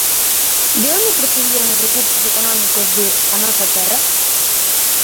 De onde procedían os recursos económicos de "A Nosa Terra"?